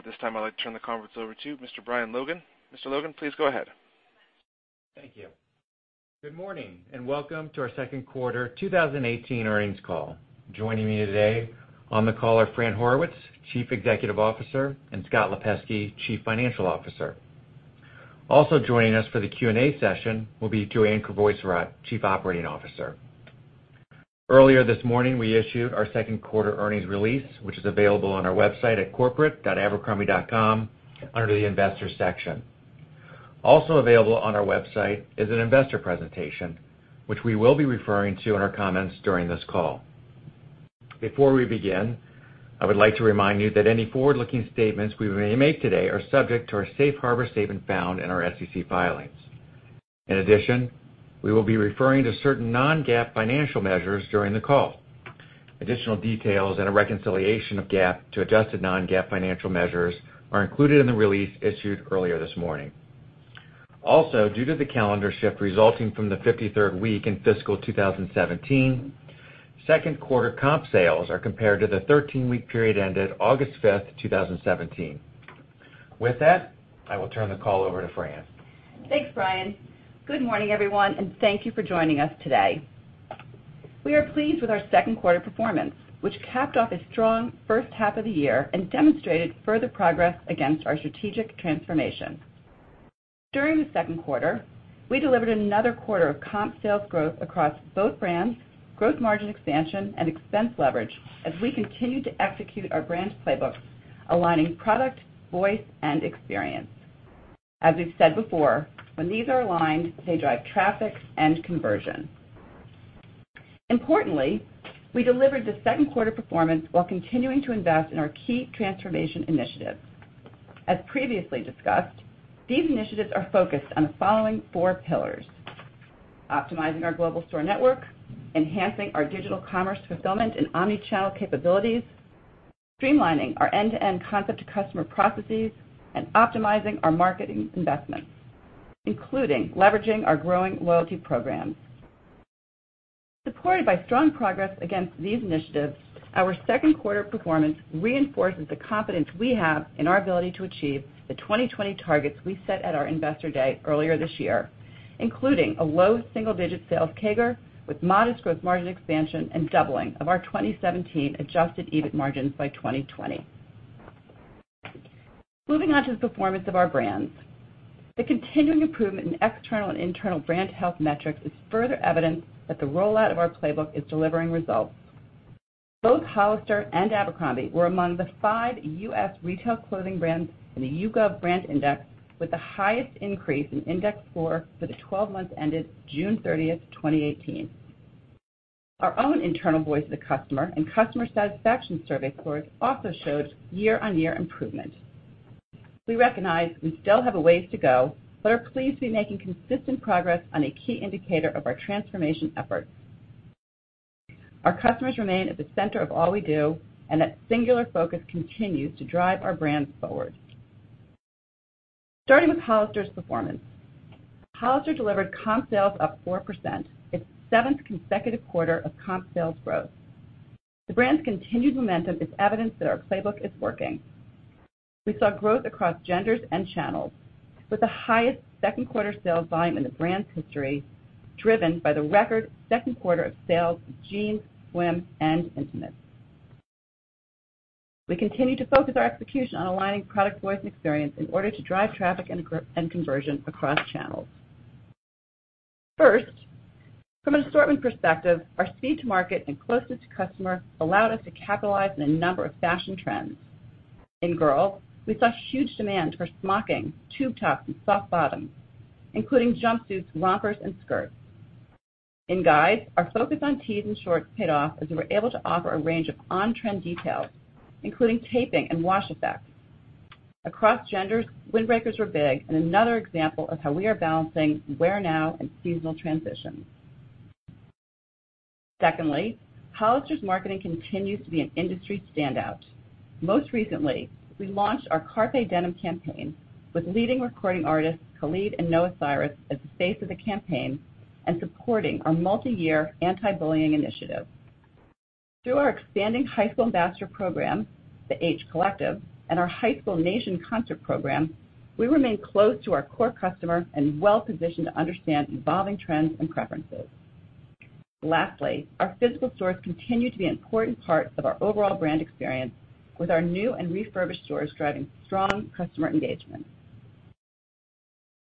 At this time, I'd like to turn the conference over to Mr. Brian Logan. Mr. Logan, please go ahead. Thank you. Good morning, welcome to our second quarter 2018 earnings call. Joining me today on the call are Fran Horowitz, Chief Executive Officer, and Scott Lipesky, Chief Financial Officer. Also joining us for the Q&A session will be Joanne Crevoiserat, Chief Operating Officer. Earlier this morning, we issued our second quarter earnings release, which is available on our website at corporate.abercrombie.com under the Investors section. Also available on our website is an investor presentation, which we will be referring to in our comments during this call. Before we begin, I would like to remind you that any forward-looking statements we may make today are subject to our safe harbor statement found in our SEC filings. In addition, we will be referring to certain non-GAAP financial measures during the call. Additional details and a reconciliation of GAAP to adjusted non-GAAP financial measures are included in the release issued earlier this morning. Due to the calendar shift resulting from the 53rd week in fiscal 2017, second quarter comp sales are compared to the 13-week period ended August 5th, 2017. With that, I will turn the call over to Fran. Thanks, Brian. Good morning, everyone, and thank you for joining us today. We are pleased with our second quarter performance, which capped off a strong first half of the year and demonstrated further progress against our strategic transformation. During the second quarter, we delivered another quarter of comp sales growth across both brands, growth margin expansion, and expense leverage as we continued to execute our brand playbook, aligning product, voice, and experience. As we've said before, when these are aligned, they drive traffic and conversion. Importantly, we delivered the second quarter performance while continuing to invest in our key transformation initiatives. As previously discussed, these initiatives are focused on the following four pillars: optimizing our global store network, enhancing our digital commerce fulfillment and omni-channel capabilities, streamlining our end-to-end concept to customer processes, and optimizing our marketing investments, including leveraging our growing loyalty programs. Supported by strong progress against these initiatives, our second quarter performance reinforces the confidence we have in our ability to achieve the 2020 targets we set at our investor day earlier this year, including a low single-digit sales CAGR with modest growth margin expansion and doubling of our 2017 adjusted EBIT margins by 2020. Moving on to the performance of our brands. The continuing improvement in external and internal brand health metrics is further evidence that the rollout of our playbook is delivering results. Both Hollister and Abercrombie were among the five U.S. retail clothing brands in the YouGov BrandIndex with the highest increase in index score for the 12 months ended June 30th, 2018. Our own internal Voice of the Customer and customer satisfaction survey scores also showed year-on-year improvement. We recognize we still have a ways to go. Are pleased to be making consistent progress on a key indicator of our transformation efforts. Our customers remain at the center of all we do. That singular focus continues to drive our brands forward. Starting with Hollister's performance. Hollister delivered comp sales up 4%, its seventh consecutive quarter of comp sales growth. The brand's continued momentum is evidence that our playbook is working. We saw growth across genders and channels, with the highest second quarter sales volume in the brand's history, driven by the record second quarter of sales of jeans, swim, and intimates. We continue to focus our execution on aligning product, voice, and experience in order to drive traffic and conversion across channels. First, from an assortment perspective, our speed to market and closeness to customer allowed us to capitalize on a number of fashion trends. In girls, we saw huge demand for smocking, tube tops, and soft bottoms, including jumpsuits, rompers, and skirts. In guys, our focus on tees and shorts paid off as we were able to offer a range of on-trend details, including taping and wash effects. Across genders, windbreakers were big and another example of how we are balancing wear now and seasonal transitions. Secondly, Hollister's marketing continues to be an industry standout. Most recently, we launched our Carpe Denim campaign with leading recording artists Khalid and Noah Cyrus at the face of the campaign and supporting our multi-year anti-bullying initiative. Through our expanding high school ambassador program, the H Collective, and our High School Nation concert program, we remain close to our core customer and well-positioned to understand evolving trends and preferences. Lastly, our physical stores continue to be an important part of our overall brand experience with our new and refurbished stores driving strong customer engagement.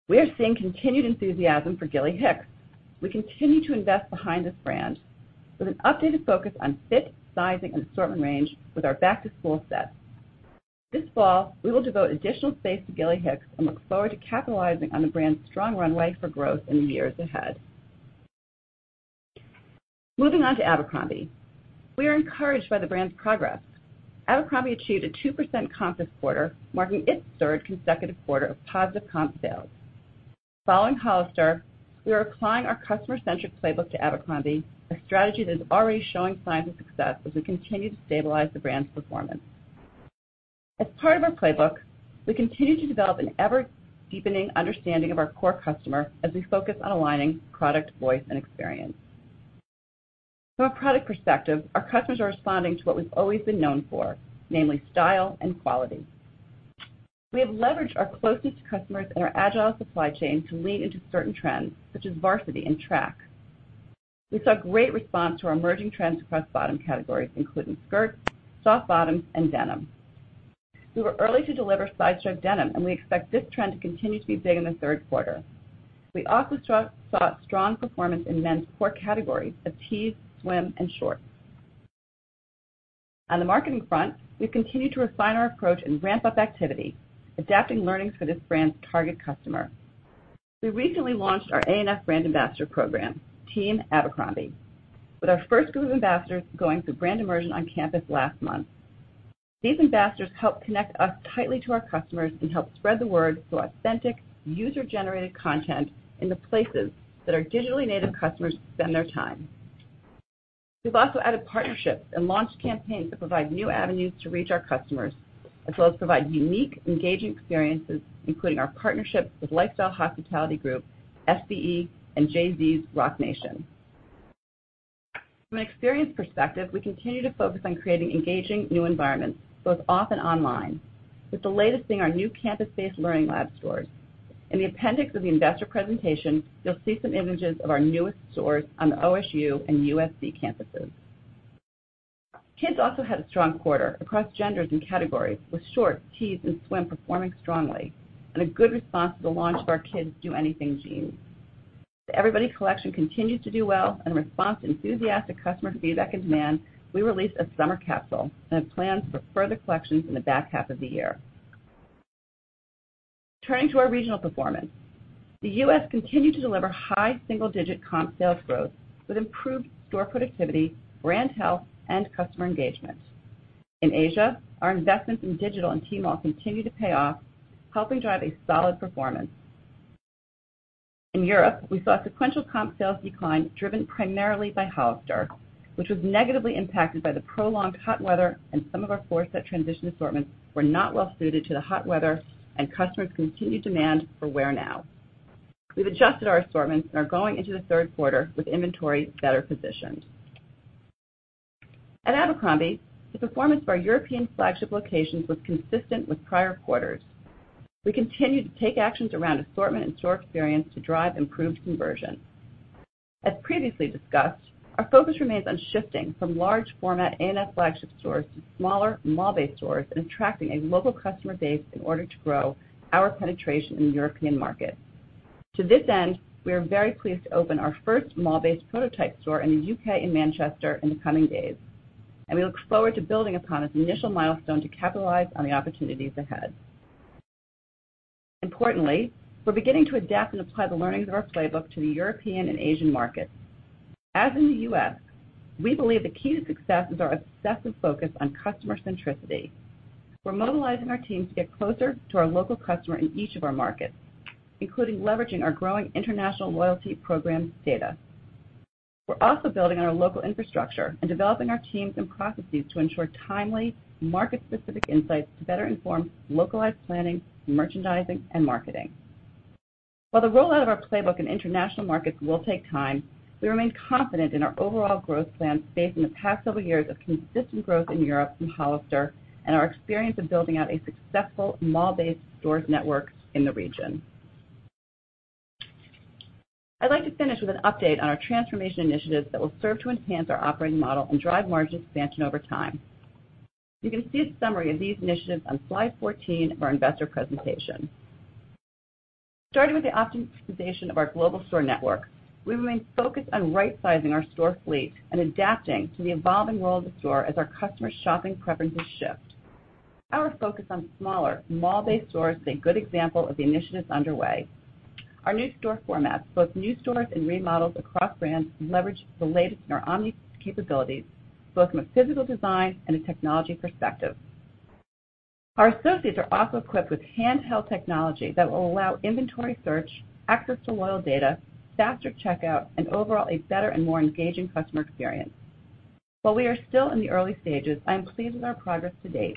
We are seeing continued enthusiasm for Gilly Hicks. We continue to invest behind this brand with an updated focus on fit, sizing, and assortment range with our back-to-school sets. This fall, we will devote additional space to Gilly Hicks and look forward to capitalizing on the brand's strong runway for growth in the years ahead. Moving on to Abercrombie. We are encouraged by the brand's progress. Abercrombie achieved a 2% comp this quarter, marking its third consecutive quarter of positive comp sales. Following Hollister, we are applying our customer-centric playbook to Abercrombie, a strategy that is already showing signs of success as we continue to stabilize the brand's performance. As part of our playbook, we continue to develop an ever-deepening understanding of our core customer as we focus on aligning product, voice, and experience. From a product perspective, our customers are responding to what we've always been known for, namely style and quality. We have leveraged our closest customers and our agile supply chain to lean into certain trends, such as varsity and track. We saw great response to our emerging trends across bottom categories, including skirts, soft bottoms, and denim. We were early to deliver side-strike denim, and we expect this trend to continue to be big in the third quarter. We also saw strong performance in men's core categories of tees, swim, and shorts. On the marketing front, we continue to refine our approach and ramp up activity, adapting learnings for this brand's target customer. We recently launched our A&F brand ambassador program, Team Abercrombie, with our first group of ambassadors going through brand immersion on campus last month. These ambassadors help connect us tightly to our customers and help spread the word through authentic, user-generated content in the places that our digitally native customers spend their time. We've also added partnerships and launched campaigns that provide new avenues to reach our customers, as well as provide unique, engaging experiences, including our partnership with lifestyle hospitality group SBE and Jay-Z's Roc Nation. From an experience perspective, we continue to focus on creating engaging new environments, both off and online, with the latest being our new campus-based learning lab stores. In the appendix of the investor presentation, you'll see some images of our newest stores on the OSU and USC campuses. Kids also had a strong quarter across genders and categories, with shorts, tees, and swim performing strongly, and a good response to the launch of our Kids Do Anything Jeans. The Everybody Collection continues to do well, and in response to enthusiastic customer feedback and demand, we released a summer capsule and have plans for further collections in the back half of the year. Turning to our regional performance. The U.S. continued to deliver high single-digit comp sales growth with improved store productivity, brand health, and customer engagement. In Asia, our investments in digital and Tmall continue to pay off, helping drive a solid performance. In Europe, we saw a sequential comp sales decline driven primarily by Hollister, which was negatively impacted by the prolonged hot weather and some of our fall set transition assortments were not well suited to the hot weather and customers' continued demand for wear now. We've adjusted our assortments and are going into the third quarter with inventory better positioned. At Abercrombie, the performance of our European flagship locations was consistent with prior quarters. We continued to take actions around assortment and store experience to drive improved conversion. As previously discussed, our focus remains on shifting from large format A&F flagship stores to smaller mall-based stores and attracting a local customer base in order to grow our penetration in the European market. To this end, we are very pleased to open our first mall-based prototype store in the U.K. in Manchester in the coming days, and we look forward to building upon this initial milestone to capitalize on the opportunities ahead. Importantly, we're beginning to adapt and apply the learnings of our playbook to the European and Asian markets. As in the U.S., we believe the key to success is our obsessive focus on customer centricity. We're mobilizing our teams to get closer to our local customer in each of our markets, including leveraging our growing international loyalty programs data. We're also building on our local infrastructure and developing our teams and processes to ensure timely, market-specific insights to better inform localized planning, merchandising, and marketing. While the rollout of our playbook in international markets will take time, we remain confident in our overall growth plans based on the past several years of consistent growth in Europe and Hollister and our experience of building out a successful mall-based stores network in the region. I'd like to finish with an update on our transformation initiatives that will serve to enhance our operating model and drive margin expansion over time. You can see a summary of these initiatives on slide 14 of our investor presentation. Starting with the optimization of our global store network, we remain focused on rightsizing our store fleet and adapting to the evolving role of the store as our customers' shopping preferences shift. Our focus on smaller mall-based stores is a good example of the initiatives underway. Our new store formats, both new stores and remodels across brands, leverage the latest in our omni capabilities, both from a physical design and a technology perspective. Our associates are also equipped with handheld technology that will allow inventory search, access to loyalty data, faster checkout, and overall, a better and more engaging customer experience. While we are still in the early stages, I am pleased with our progress to date.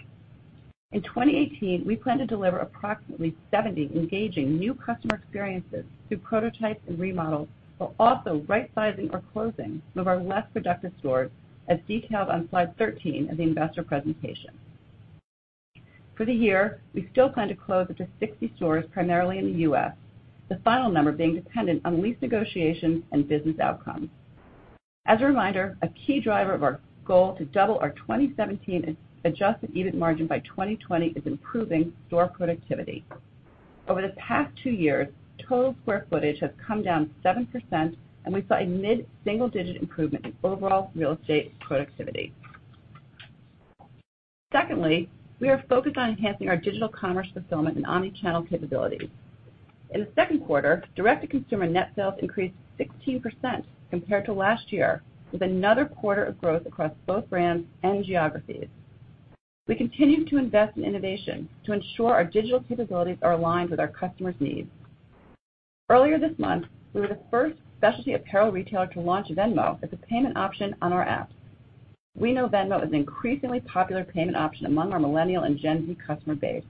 In 2018, we plan to deliver approximately 70 engaging new customer experiences through prototypes and remodels, while also rightsizing or closing some of our less productive stores, as detailed on slide 13 of the investor presentation. For the year, we still plan to close up to 60 stores, primarily in the U.S., the final number being dependent on lease negotiations and business outcomes. As a reminder, a key driver of our goal to double our 2017 adjusted EBIT margin by 2020 is improving store productivity. Over the past two years, total square footage has come down 7%, and we saw a mid-single digit improvement in overall real estate productivity. Secondly, we are focused on enhancing our digital commerce fulfillment and omnichannel capabilities. In the second quarter, direct-to-consumer net sales increased 16% compared to last year, with another quarter of growth across both brands and geographies. We continue to invest in innovation to ensure our digital capabilities are aligned with our customers' needs. Earlier this month, we were the first specialty apparel retailer to launch Venmo as a payment option on our app. We know Venmo is an increasingly popular payment option among our millennial and Gen Z customer base.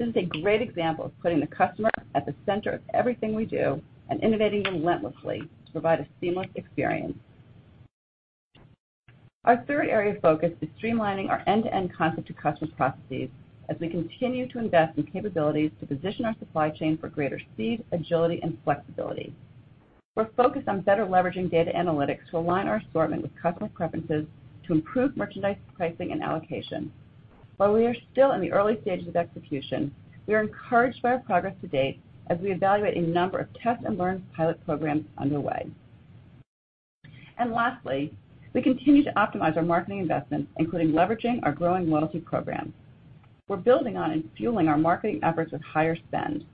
This is a great example of putting the customer at the center of everything we do and innovating relentlessly to provide a seamless experience. Our third area of focus is streamlining our end-to-end concept to customer processes as we continue to invest in capabilities to position our supply chain for greater speed, agility, and flexibility. We're focused on better leveraging data analytics to align our assortment with customer preferences to improve merchandise pricing and allocation. While we are still in the early stages of execution, we are encouraged by our progress to date as we evaluate a number of test-and-learn pilot programs underway. Lastly, we continue to optimize our marketing investments, including leveraging our growing loyalty program. We're building on and fueling our marketing efforts with higher spend.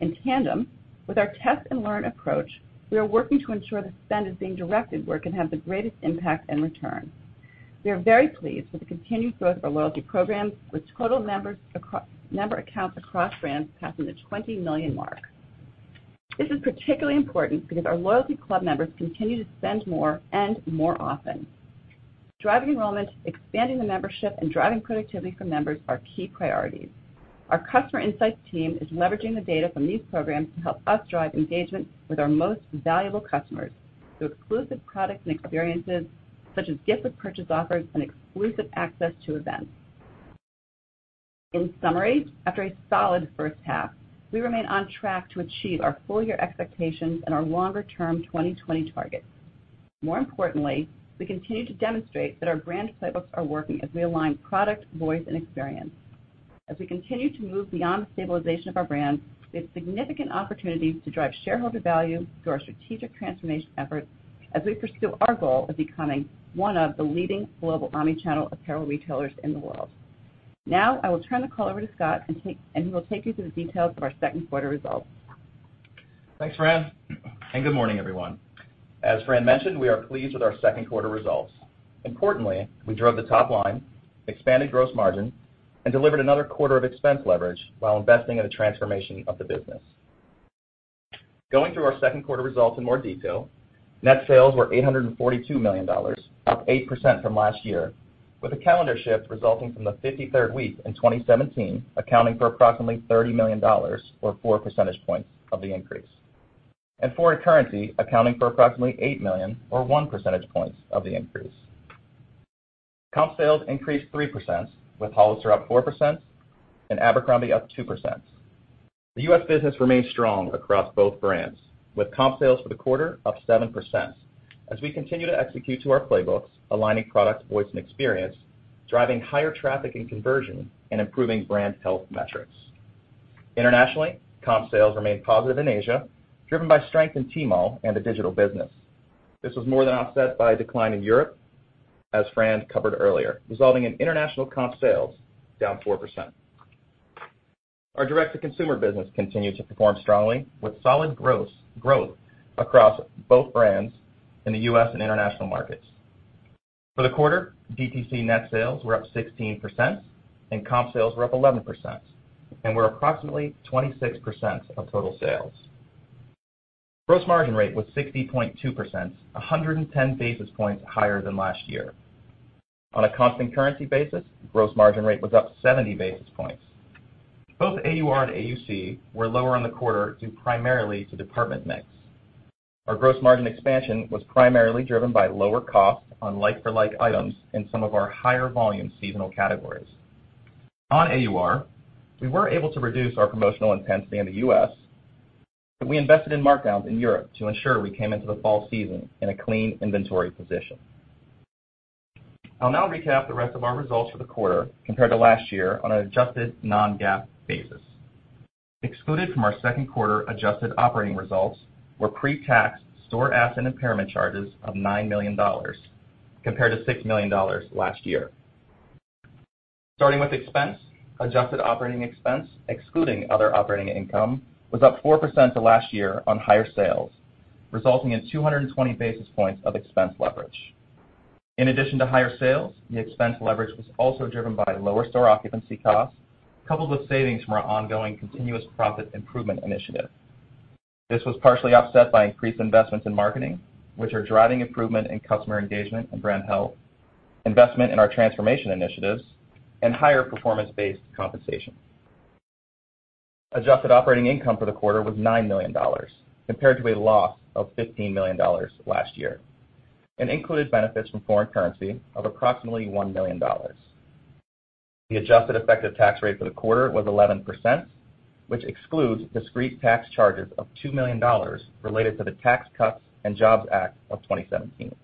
In tandem with our test-and-learn approach, we are working to ensure the spend is being directed where it can have the greatest impact and return. We are very pleased with the continued growth of our loyalty programs, with total member accounts across brands passing the 20 million mark. This is particularly important because our loyalty club members continue to spend more and more often. Driving enrollment, expanding the membership, and driving productivity from members are key priorities. Our customer insights team is leveraging the data from these programs to help us drive engagement with our most valuable customers through exclusive products and experiences, such as gift with purchase offers and exclusive access to events. In summary, after a solid first half, we remain on track to achieve our full-year expectations and our longer-term 2020 targets. More importantly, we continue to demonstrate that our brand playbooks are working as we align product, voice, and experience. As we continue to move beyond the stabilization of our brands, we have significant opportunities to drive shareholder value through our strategic transformation efforts as we pursue our goal of becoming one of the leading global omni-channel apparel retailers in the world. Now, I will turn the call over to Scott, and he will take you through the details of our second quarter results. Thanks, Fran, and good morning, everyone. As Fran mentioned, we are pleased with our second quarter results. Importantly, we drove the top line, expanded gross margin, and delivered another quarter of expense leverage while investing in the transformation of the business. Going through our second quarter results in more detail, net sales were $842 million, up 8% from last year, with a calendar shift resulting from the 53rd week in 2017 accounting for approximately $30 million or four percentage points of the increase, and foreign currency accounting for approximately $8 million or one percentage point of the increase. Comp sales increased 3%, with Hollister up 4% and Abercrombie up 2%. The U.S. business remained strong across both brands, with comp sales for the quarter up 7% as we continue to execute to our playbooks, aligning products, voice, and experience, driving higher traffic and conversion, and improving brand health metrics. Internationally, comp sales remained positive in Asia, driven by strength in Tmall and the digital business. This was more than offset by a decline in Europe, as Fran covered earlier, resulting in international comp sales down 4%. Our direct-to-consumer business continued to perform strongly, with solid growth across both brands in the U.S. and international markets. For the quarter, DTC net sales were up 16%, and comp sales were up 11%, and were approximately 26% of total sales. Gross margin rate was 60.2%, 110 basis points higher than last year. On a constant currency basis, gross margin rate was up 70 basis points. Both AUR and AUC were lower in the quarter due primarily to department mix. Our gross margin expansion was primarily driven by lower costs on like-for-like items in some of our higher volume seasonal categories. On AUR, we were able to reduce our promotional intensity in the U.S., but we invested in markdowns in Europe to ensure we came into the fall season in a clean inventory position. I will now recap the rest of our results for the quarter compared to last year on an adjusted non-GAAP basis. Excluded from our second quarter adjusted operating results were pre-tax store asset impairment charges of $9 million compared to $6 million last year. Starting with expense, adjusted operating expense, excluding other operating income, was up 4% to last year on higher sales, resulting in 220 basis points of expense leverage. In addition to higher sales, the expense leverage was also driven by lower store occupancy costs, coupled with savings from our ongoing continuous profit improvement initiative. This was partially offset by increased investments in marketing, which are driving improvement in customer engagement and brand health, investment in our transformation initiatives, and higher performance-based compensation. Adjusted operating income for the quarter was $9 million compared to a loss of $15 million last year, and included benefits from foreign currency of approximately $1 million. The adjusted effective tax rate for the quarter was 11%, which excludes discrete tax charges of $2 million related to the Tax Cuts and Jobs Act of 2017.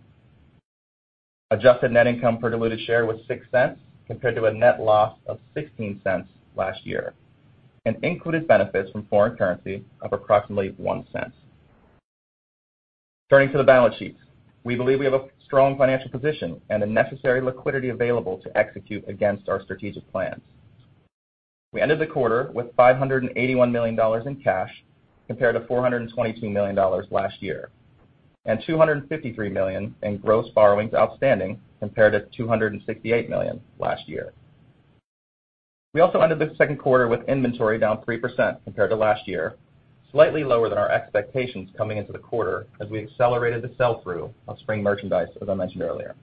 Adjusted net income per diluted share was $0.06 compared to a net loss of $0.16 last year, and included benefits from foreign currency of approximately $0.01. Turning to the balance sheet. We believe we have a strong financial position and the necessary liquidity available to execute against our strategic plans. We ended the quarter with $581 million in cash, compared to $422 million last year, and $253 million in gross borrowings outstanding, compared to $268 million last year. We also ended the second quarter with inventory down 3% compared to last year, slightly lower than our expectations coming into the quarter as we accelerated the sell-through of spring merchandise, as I mentioned earlier.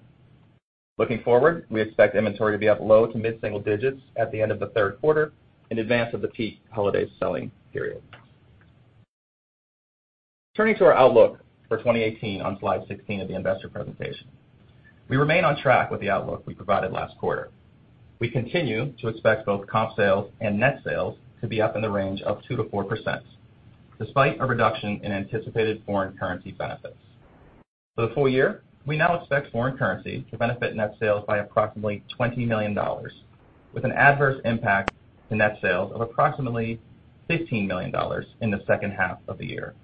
Looking forward, we expect inventory to be up low to mid-single digits at the end of the third quarter in advance of the peak holiday selling period. Turning to our outlook for 2018 on slide 16 of the investor presentation. We remain on track with the outlook we provided last quarter. We continue to expect both comp sales and net sales to be up in the range of 2%-4%, despite a reduction in anticipated foreign currency benefits. For the full year, we now expect foreign currency to benefit net sales by approximately $20 million, with an adverse impact to net sales of approximately $15 million in the second half of the year.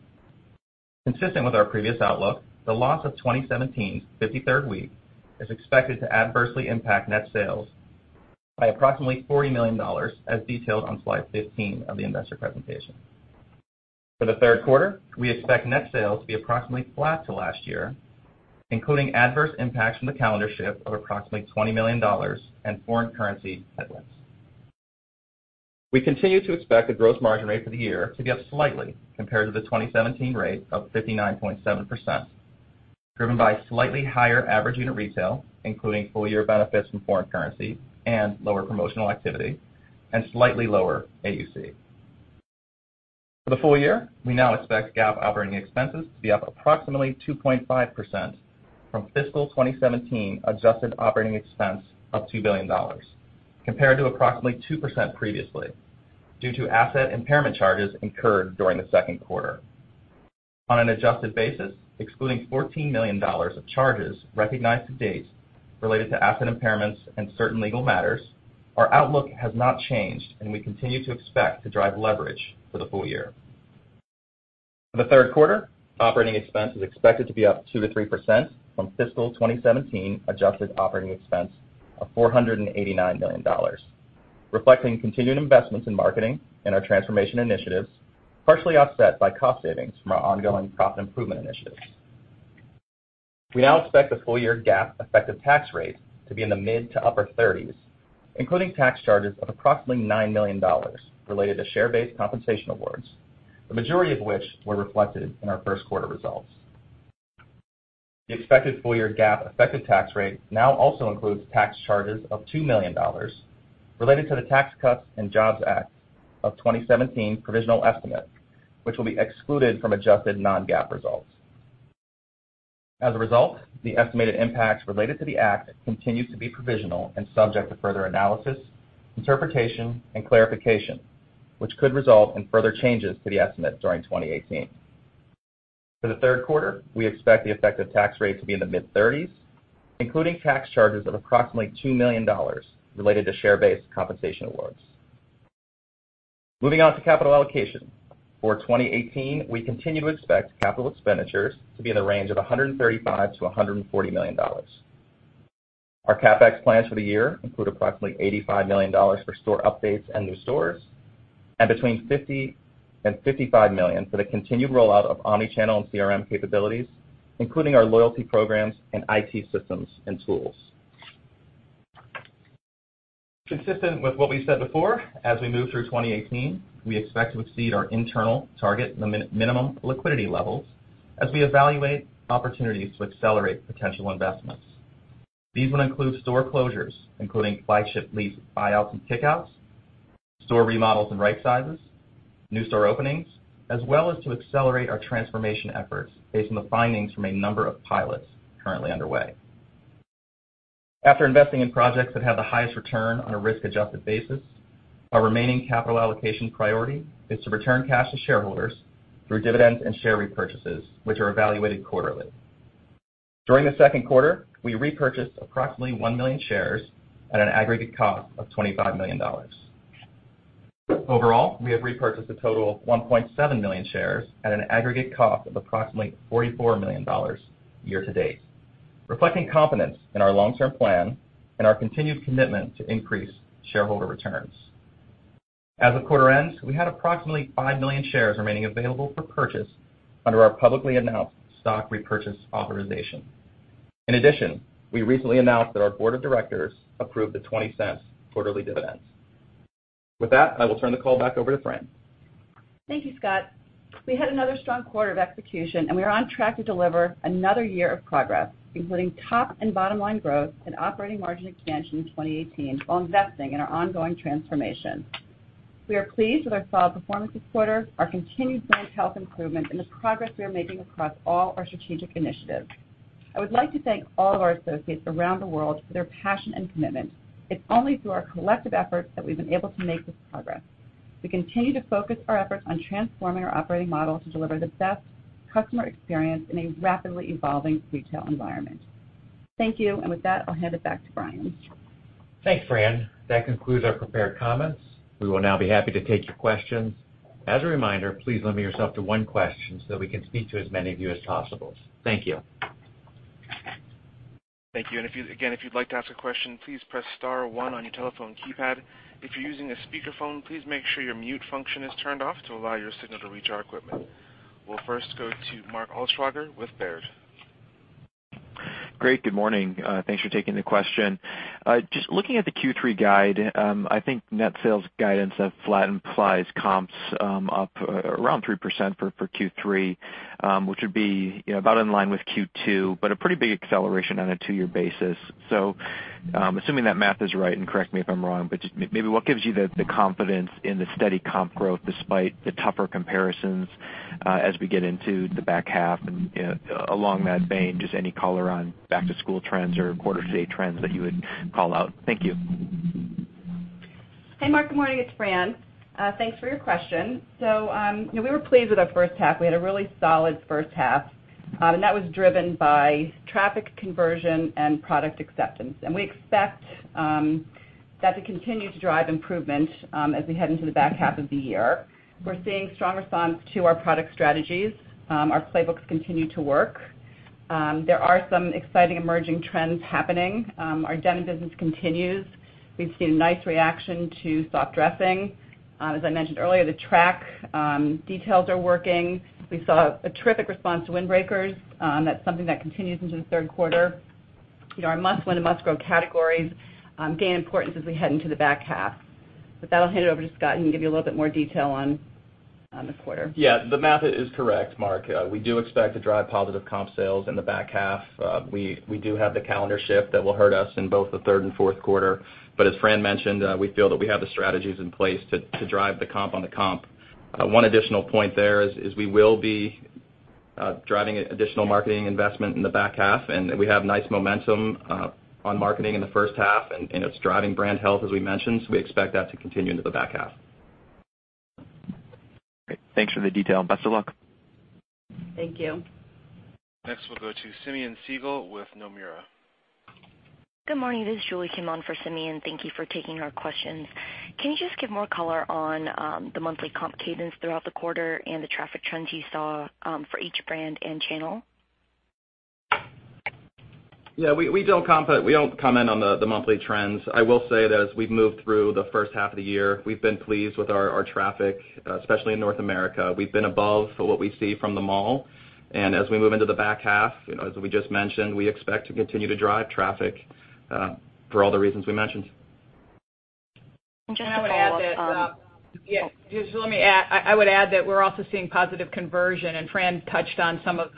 Consistent with our previous outlook, the loss of 2017's 53rd week is expected to adversely impact net sales by approximately $40 million as detailed on slide 15 of the investor presentation. For the third quarter, we expect net sales to be approximately flat to last year, including adverse impacts from the calendar shift of approximately $20 million and foreign currency headwinds. We continue to expect the gross margin rate for the year to be up slightly compared to the 2017 rate of 59.7%, driven by slightly higher average unit retail, including full-year benefits from foreign currency and lower promotional activity, and slightly lower AUC. For the full year, we now expect GAAP operating expenses to be up approximately 2.5% from fiscal 2017 adjusted operating expense of $2 billion, compared to approximately 2% previously, due to asset impairment charges incurred during the second quarter. On an adjusted basis, excluding $14 million of charges recognized to date related to asset impairments and certain legal matters, our outlook has not changed, and we continue to expect to drive leverage for the full year. For the third quarter, operating expense is expected to be up 2%-3% from fiscal 2017 adjusted operating expense of $489 million, reflecting continued investments in marketing and our transformation initiatives, partially offset by cost savings from our ongoing profit improvement initiatives. We now expect the full year GAAP effective tax rate to be in the mid to upper 30s, including tax charges of approximately $9 million related to share-based compensation awards, the majority of which were reflected in our first quarter results. The expected full-year GAAP effective tax rate now also includes tax charges of $2 million related to the Tax Cuts and Jobs Act of 2017 provisional estimate, which will be excluded from adjusted non-GAAP results. As a result, the estimated impacts related to the act continues to be provisional and subject to further analysis, interpretation, and clarification, which could result in further changes to the estimate during 2018. For the third quarter, we expect the effective tax rate to be in the mid-30s, including tax charges of approximately $2 million related to share-based compensation awards. Moving on to capital allocation. For 2018, we continue to expect capital expenditures to be in the range of $135 million-$140 million. Our CapEx plans for the year include approximately $85 million for store updates and new stores and between $50 million-$55 million for the continued rollout of omni-channel and CRM capabilities, including our loyalty programs and IT systems and tools. Consistent with what we said before, as we move through 2018, we expect to exceed our internal target minimum liquidity levels as we evaluate opportunities to accelerate potential investments. These would include store closures, including flagship lease buyouts and kick-outs, store remodels and right sizes, new store openings, as well as to accelerate our transformation efforts based on the findings from a number of pilots currently underway. After investing in projects that have the highest return on a risk-adjusted basis, our remaining capital allocation priority is to return cash to shareholders through dividends and share repurchases, which are evaluated quarterly. During the second quarter, we repurchased approximately 1 million shares at an aggregate cost of $25 million. Overall, we have repurchased a total of 1.7 million shares at an aggregate cost of approximately $44 million year to date, reflecting confidence in our long-term plan and our continued commitment to increase shareholder returns. As the quarter ends, we had approximately 5 million shares remaining available for purchase under our publicly announced stock repurchase authorization. In addition, we recently announced that our board of directors approved a $0.20 quarterly dividend. With that, I will turn the call back over to Fran. Thank you, Scott. We had another strong quarter of execution. We are on track to deliver another year of progress, including top and bottom line growth and operating margin expansion in 2018 while investing in our ongoing transformation. We are pleased with our solid performance this quarter, our continued financial health improvement, and the progress we are making across all our strategic initiatives. I would like to thank all of our associates around the world for their passion and commitment. It's only through our collective efforts that we've been able to make this progress. We continue to focus our efforts on transforming our operating model to deliver the best customer experience in a rapidly evolving retail environment. Thank you. With that, I'll hand it back to Brian. Thanks, Fran. That concludes our prepared comments. We will now be happy to take your questions. As a reminder, please limit yourself to one question so that we can speak to as many of you as possible. Thank you. Thank you. Again, if you'd like to ask a question, please press star one on your telephone keypad. If you're using a speakerphone, please make sure your mute function is turned off to allow your signal to reach our equipment. We'll first go to Mark Altschwager with Baird. Great. Good morning. Thanks for taking the question. Just looking at the Q3 guide, I think net sales guidance of flat implies comps up around 3% for Q3, which would be about in line with Q2, but a pretty big acceleration on a two-year basis. Assuming that math is right, and correct me if I'm wrong, but just maybe what gives you the confidence in the steady comp growth despite the tougher comparisons as we get into the back half? Along that vein, just any color on back-to-school trends or quarter-to-date trends that you would call out. Thank you. Hey, Mark. Good morning. It's Fran. Thanks for your question. We were pleased with our first half. We had a really solid first half, and that was driven by traffic conversion and product acceptance. We expect that to continue to drive improvement as we head into the back half of the year. We're seeing strong response to our product strategies. Our playbooks continue to work. There are some exciting emerging trends happening. Our denim business continues. We've seen nice reaction to soft dressing. As I mentioned earlier, the track details are working. We saw a terrific response to windbreakers. That's something that continues into the third quarter. Our must-win and must-grow categories gain importance as we head into the back half. With that, I'll hand it over to Scott, and he can give you a little bit more detail on the quarter. Yeah, the math is correct, Mark. We do expect to drive positive comp sales in the back half. We do have the calendar shift that will hurt us in both the third and fourth quarter. As Fran mentioned, we feel that we have the strategies in place to drive the comp on the comp. One additional point there is we will be driving additional marketing investment in the back half, and we have nice momentum on marketing in the first half, and it's driving brand health, as we mentioned. We expect that to continue into the back half. Great. Thanks for the detail, and best of luck. Thank you. Next, we'll go to Simeon Siegel with Nomura. Good morning. This is Julia S. Kim on for Simeon. Thank you for taking our questions. Can you just give more color on the monthly comp cadence throughout the quarter and the traffic trends you saw for each brand and channel? Yeah, we don't comment on the monthly trends. I will say that as we've moved through the first half of the year, we've been pleased with our traffic, especially in North America. We've been above what we see from the mall. As we move into the back half, as we just mentioned, we expect to continue to drive traffic for all the reasons we mentioned. Just to follow up. I would add that we're also seeing positive conversion. Fran touched on some of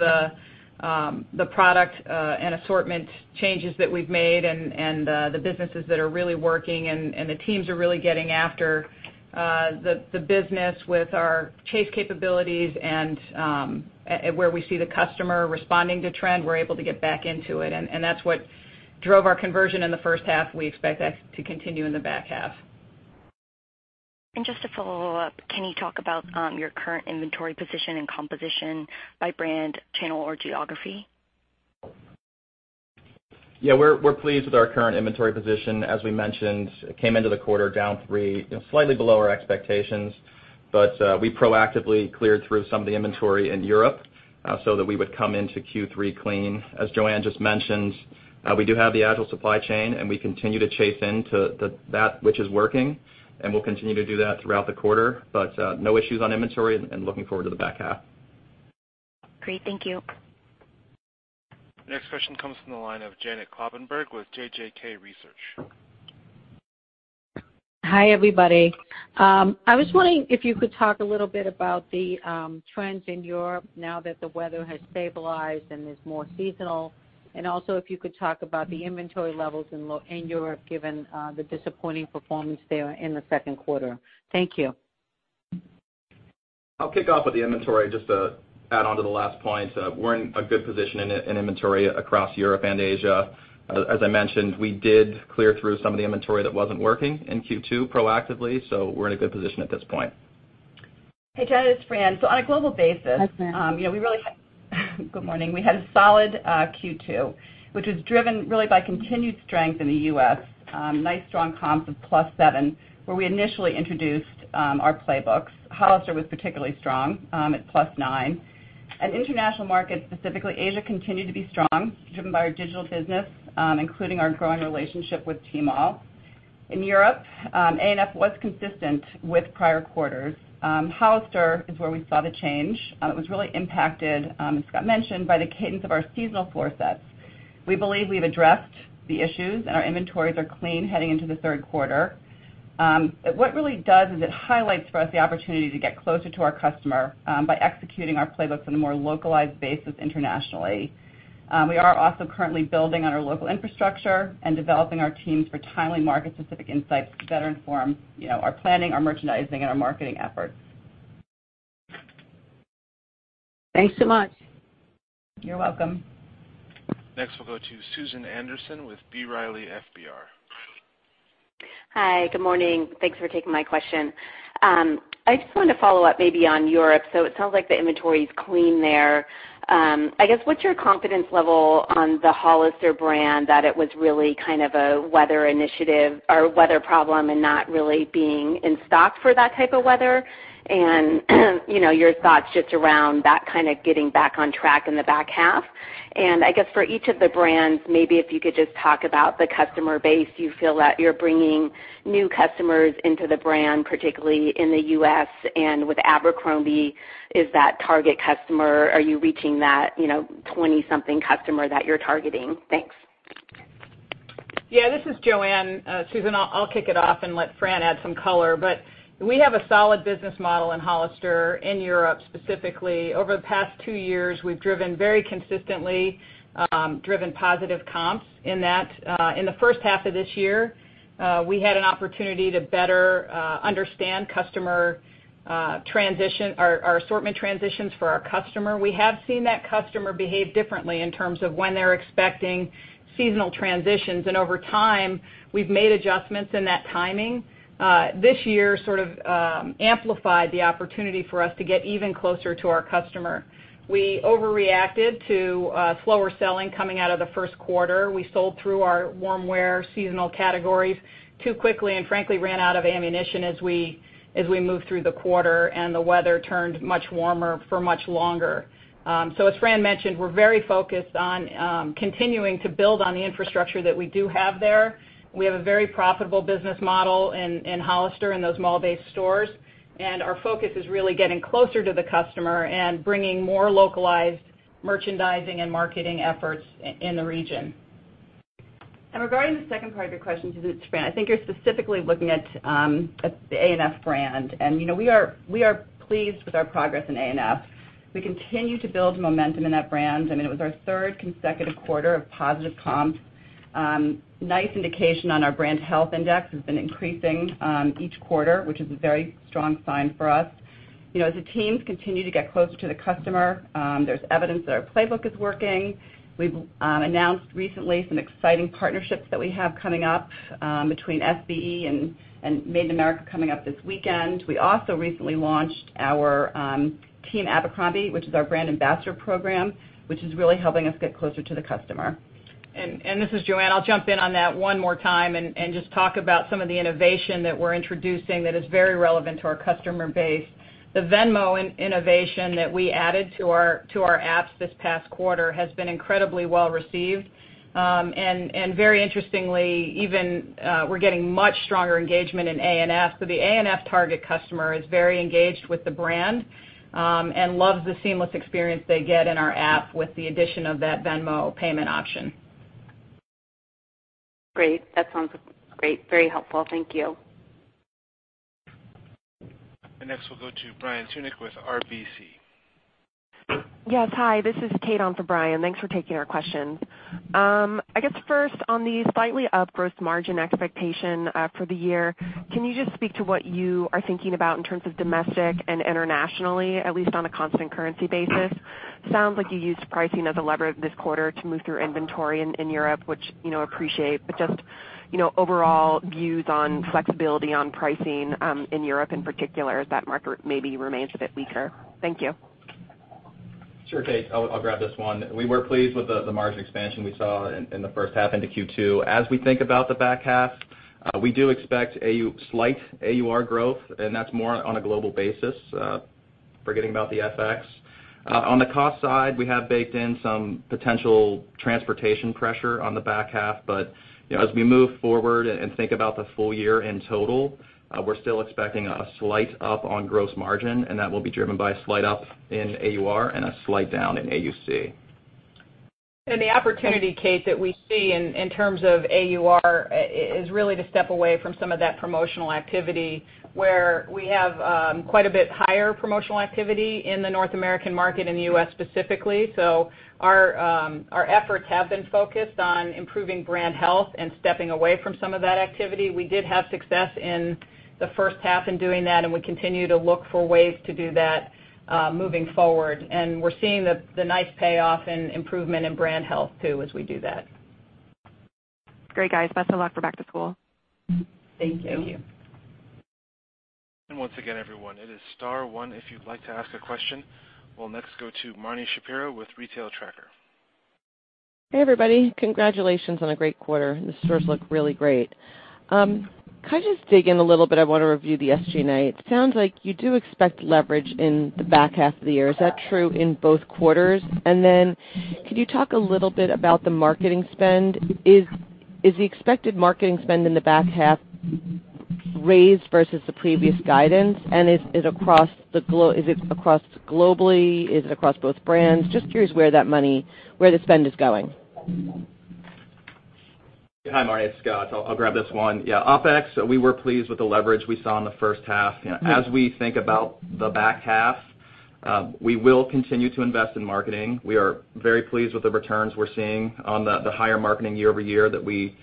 the product and assortment changes that we've made and the businesses that are really working. The teams are really getting after the business with our chase capabilities. Where we see the customer responding to trend, we're able to get back into it. That's what drove our conversion in the first half. We expect that to continue in the back half. Just to follow up, can you talk about your current inventory position and composition by brand, channel, or geography? We're pleased with our current inventory position. As we mentioned, came into the quarter down three, slightly below our expectations. We proactively cleared through some of the inventory in Europe so that we would come into Q3 clean. As Joanne just mentioned, we do have the agile supply chain. We continue to chase into that which is working. We'll continue to do that throughout the quarter. No issues on inventory and looking forward to the back half. Great. Thank you. Next question comes from the line of Janet Kloppenburg with JJK Research. Hi, everybody. I was wondering if you could talk a little bit about the trends in Europe now that the weather has stabilized and is more seasonal. Also, if you could talk about the inventory levels in Europe, given the disappointing performance there in the second quarter. Thank you. I'll kick off with the inventory. Just to add on to the last point, we're in a good position in inventory across Europe and Asia. As I mentioned, we did clear through some of the inventory that wasn't working in Q2 proactively. We're in a good position at this point. Hey, Janet, it's Fran. On a global basis. Hi, Fran. Good morning. We had a solid Q2, which was driven really by continued strength in the U.S. Nice strong comps of plus seven, where we initially introduced our playbooks. Hollister was particularly strong at plus nine. International markets, specifically Asia, continued to be strong, driven by our digital business, including our growing relationship with Tmall. In Europe, ANF was consistent with prior quarters. Hollister is where we saw the change. It was really impacted, as Scott mentioned, by the cadence of our seasonal fall sets. We believe we've addressed the issues, and our inventories are clean heading into the third quarter. What it really does is it highlights for us the opportunity to get closer to our customer by executing our playbooks on a more localized basis internationally. We are also currently building on our local infrastructure and developing our teams for timely market-specific insights to better inform our planning, our merchandising, and our marketing efforts. Thanks so much. You're welcome. Next, we'll go to Susan Anderson with B. Riley FBR. Hi. Good morning. Thanks for taking my question. I just wanted to follow up maybe on Europe. It sounds like the inventory's clean there. I guess, what's your confidence level on the Hollister brand that it was really kind of a weather initiative or weather problem and not really being in stock for that type of weather? Your thoughts just around that kind of getting back on track in the back half. I guess for each of the brands, maybe if you could just talk about the customer base. You feel that you're bringing new customers into the brand, particularly in the U.S. and with Abercrombie. Is that target customer, are you reaching that 20-something customer that you're targeting? Thanks. Yeah, this is Joanne. Susan, I'll kick it off and let Fran add some color. We have a solid business model in Hollister, in Europe specifically. Over the past 2 years, we've very consistently driven positive comps in that. In the first half of this year, we had an opportunity to better understand our assortment transitions for our customer. We have seen that customer behave differently in terms of when they're expecting seasonal transitions. Over time, we've made adjustments in that timing. This year sort of amplified the opportunity for us to get even closer to our customer. We overreacted to slower selling coming out of the first quarter. We sold through our warmwear seasonal categories too quickly, and frankly, ran out of ammunition as we moved through the quarter, and the weather turned much warmer for much longer. As Fran mentioned, we're very focused on continuing to build on the infrastructure that we do have there. We have a very profitable business model in Hollister, in those mall-based stores, and our focus is really getting closer to the customer and bringing more localized merchandising and marketing efforts in the region. Regarding the second part of your question, this is Fran, I think you're specifically looking at the A&F brand. We are pleased with our progress in A&F. We continue to build momentum in that brand. It was our third consecutive quarter of positive comps. Nice indication on our brand health index has been increasing each quarter, which is a very strong sign for us. As the teams continue to get closer to the customer, there's evidence that our playbook is working. We've announced recently some exciting partnerships that we have coming up between SBE and Made in America coming up this weekend. We also recently launched our Team Abercrombie, which is our brand ambassador program, which is really helping us get closer to the customer. This is Joanne. I'll jump in on that one more time and just talk about some of the innovation that we're introducing that is very relevant to our customer base. The Venmo innovation that we added to our apps this past quarter has been incredibly well-received. Very interestingly, we're getting much stronger engagement in A&F. The A&F target customer is very engaged with the brand, and loves the seamless experience they get in our app with the addition of that Venmo payment option. Great. That sounds great. Very helpful. Thank you. Next, we'll go to Brian Tunick with RBC. Yes. Hi, this is Kate on for Brian. Thanks for taking our questions. I guess, first, on the slightly up gross margin expectation for the year, can you just speak to what you are thinking about in terms of domestic and internationally, at least on a constant currency basis? Sounds like you used pricing as a lever this quarter to move through inventory in Europe, which appreciate, but just overall views on flexibility on pricing in Europe in particular as that market maybe remains a bit weaker. Thank you. Sure, Kate. I'll grab this one. We were pleased with the margin expansion we saw in the first half into Q2. As we think about the back half, we do expect a slight AUR growth, and that's more on a global basis, forgetting about the FX. On the cost side, we have baked in some potential transportation pressure on the back half. As we move forward and think about the full year in total, we're still expecting a slight up on gross margin, and that will be driven by a slight up in AUR and a slight down in AUC. The opportunity, Kate, that we see in terms of AUR is really to step away from some of that promotional activity where we have quite a bit higher promotional activity in the North American market, in the U.S. specifically. Our efforts have been focused on improving brand health and stepping away from some of that activity. We did have success in the first half in doing that, and we continue to look for ways to do that moving forward. We're seeing the nice payoff in improvement in brand health too as we do that. Great, guys. Best of luck for back to school. Thank you. Thank you. Once again, everyone, it is star one if you'd like to ask a question. We'll next go to Marni Shapiro with Retail Tracker. Hey, everybody. Congratulations on a great quarter. The stores look really great. Can I just dig in a little bit? I want to review the SG&A. It sounds like you do expect leverage in the back half of the year. Is that true in both quarters? Could you talk a little bit about the marketing spend? Is the expected marketing spend in the back half raised versus the previous guidance? Is it across globally? Is it across both brands? Just curious where the spend is going. Hi, Marni. It's Scott. I'll grab this one. OpEx, we were pleased with the leverage we saw in the first half. As we think about the back half, we will continue to invest in marketing. We are very pleased with the returns we're seeing on the higher marketing year-over-year that we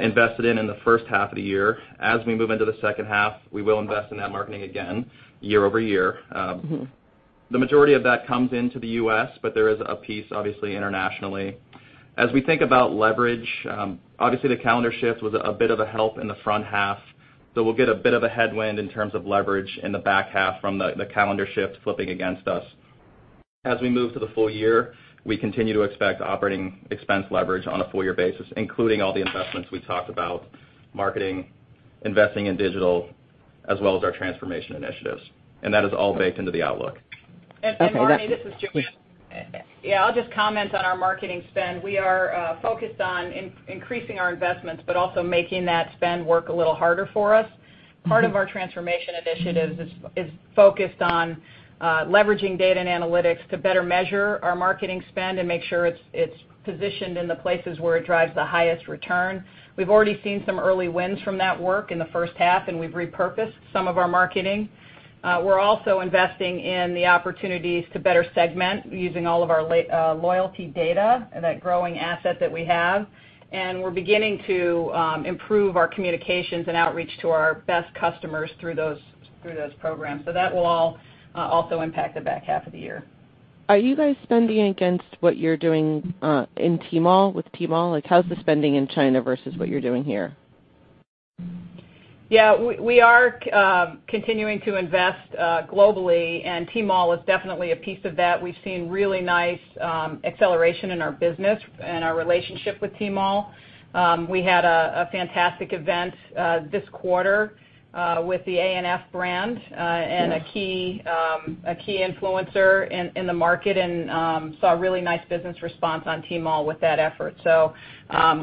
invested in the first half of the year. As we move into the second half, we will invest in that marketing again year-over-year. The majority of that comes into the U.S., but there is a piece, obviously, internationally. As we think about leverage, obviously the calendar shift was a bit of a help in the front half, so we'll get a bit of a headwind in terms of leverage in the back half from the calendar shift flipping against us. As we move to the full year, we continue to expect operating expense leverage on a full-year basis, including all the investments we talked about, marketing, investing in digital, as well as our transformation initiatives. That is all baked into the outlook. Marni, this is Joanne. I'll just comment on our marketing spend. We are focused on increasing our investments, but also making that spend work a little harder for us. Part of our transformation initiatives is focused on leveraging data and analytics to better measure our marketing spend and make sure it's positioned in the places where it drives the highest return. We've already seen some early wins from that work in the first half. We've repurposed some of our marketing. We're also investing in the opportunities to better segment using all of our loyalty data and that growing asset that we have. We're beginning to improve our communications and outreach to our best customers through those programs. That will all also impact the back half of the year. Are you guys spending against what you're doing in Tmall, with Tmall? Like how's the spending in China versus what you're doing here? Yeah. We are continuing to invest globally, Tmall is definitely a piece of that. We've seen really nice acceleration in our business and our relationship with Tmall. We had a fantastic event this quarter with the ANF brand, A key influencer in the market, and saw a really nice business response on Tmall with that effort.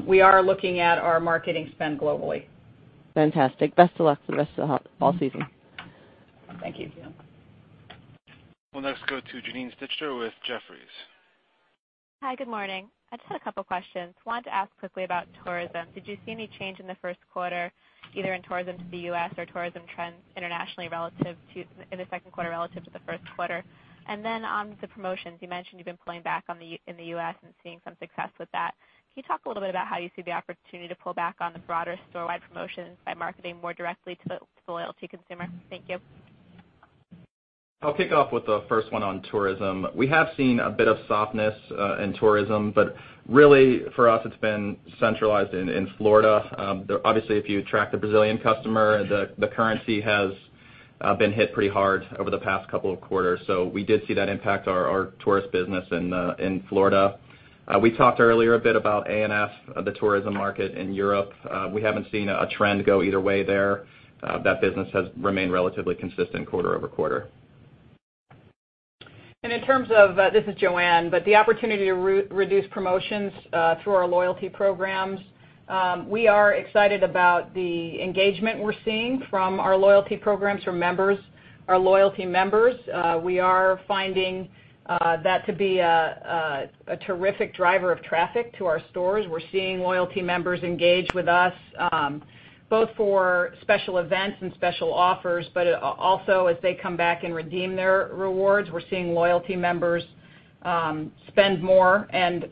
We are looking at our marketing spend globally. Fantastic. Best of luck for the rest of the fall season. Thank you. We'll next go to Janine Stichter with Jefferies. Hi, good morning. I just had a couple questions. Wanted to ask quickly about tourism. Did you see any change in the first quarter, either in tourism to the U.S. or tourism trends internationally in the second quarter relative to the first quarter? On the promotions, you mentioned you've been pulling back in the U.S. and seeing some success with that. Can you talk a little bit about how you see the opportunity to pull back on the broader store-wide promotions by marketing more directly to the loyalty consumer? Thank you. I'll kick off with the first one on tourism. We have seen a bit of softness in tourism, but really for us it's been centralized in Florida. Obviously, if you track the Brazilian customer, the currency has been hit pretty hard over the past couple of quarters. We did see that impact our tourist business in Florida. We talked earlier a bit about ANF, the tourism market in Europe. We haven't seen a trend go either way there. That business has remained relatively consistent quarter-over-quarter. In terms of this is Joanne, but the opportunity to reduce promotions through our loyalty programs, we are excited about the engagement we're seeing from our loyalty programs from members, our loyalty members. We are finding that to be a terrific driver of traffic to our stores. We're seeing loyalty members engage with us, both for special events and special offers, but also as they come back and redeem their rewards. We're seeing loyalty members spend more and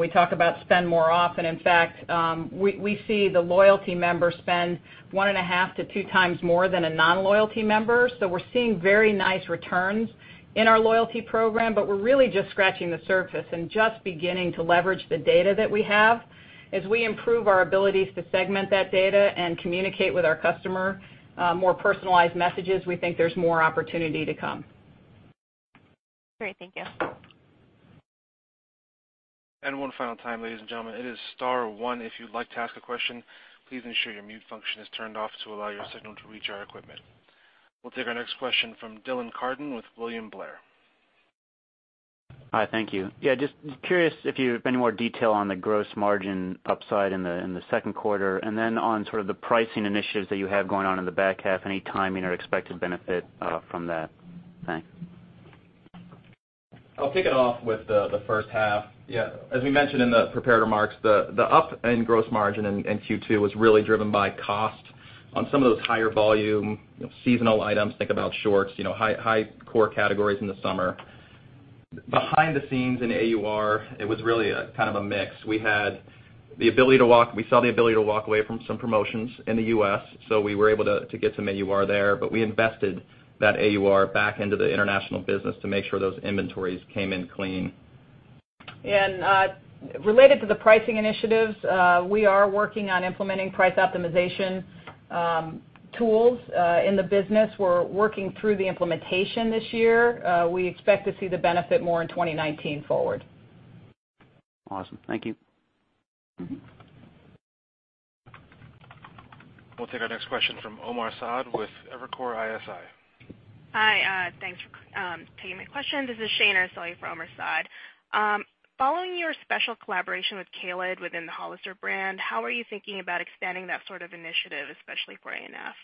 we talk about spend more often. In fact, we see the loyalty members spend one and a half to two times more than a non-loyalty member. We're seeing very nice returns in our loyalty program, but we're really just scratching the surface and just beginning to leverage the data that we have. As we improve our abilities to segment that data and communicate with our customer, more personalized messages, we think there's more opportunity to come. Great. Thank you. One final time, ladies and gentlemen, it is star one if you'd like to ask a question. Please ensure your mute function is turned off to allow your signal to reach our equipment. We'll take our next question from Dylan Carden with William Blair. Hi. Thank you. Yeah, just curious if you have any more detail on the gross margin upside in the second quarter, and then on sort of the pricing initiatives that you have going on in the back half, any timing or expected benefit from that? Thanks. I'll kick it off with the first half. Yeah. As we mentioned in the prepared remarks, the up in gross margin in Q2 was really driven by cost on some of those higher volume seasonal items. Think about shorts, high core categories in the summer. Behind the scenes in AUR, it was really a kind of a mix. We saw the ability to walk away from some promotions in the U.S., so we were able to get some AUR there, but we invested that AUR back into the international business to make sure those inventories came in clean. Related to the pricing initiatives, we are working on implementing price optimization tools in the business. We're working through the implementation this year. We expect to see the benefit more in 2019 forward. Awesome. Thank you. We'll take our next question from Omar Saad with Evercore ISI. Hi. Thanks for taking my question. This is Shayne Urszuly for Omar Saad. Following your special collaboration with Khalid within the Hollister brand, how are you thinking about expanding that sort of initiative, especially for ANF?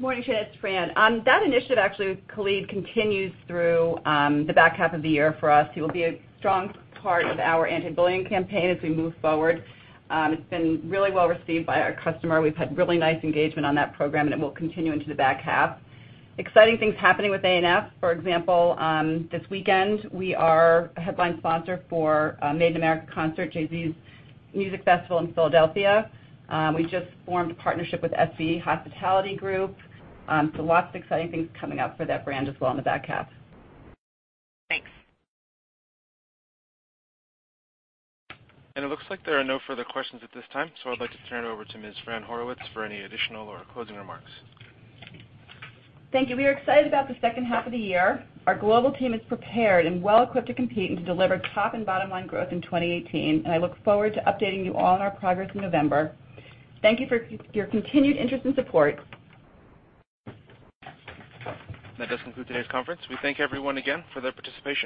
Morning, Shayne. It's Fran. That initiative actually with Khalid continues through the back half of the year for us. He will be a strong part of our anti-bullying campaign as we move forward. It's been really well received by our customer. We've had really nice engagement on that program, and it will continue into the back half. Exciting things happening with ANF. For example, this weekend we are a headline sponsor for Made in America concert, Jay-Z's music festival in Philadelphia. We just formed a partnership with SBE Hospitality Group. Lots of exciting things coming up for that brand as well in the back half. Thanks. It looks like there are no further questions at this time. I'd like to turn it over to Ms. Fran Horowitz for any additional or closing remarks. Thank you. We are excited about the second half of the year. Our global team is prepared and well equipped to compete and to deliver top and bottom-line growth in 2018. I look forward to updating you all on our progress in November. Thank you for your continued interest and support. That does conclude today's conference. We thank everyone again for their participation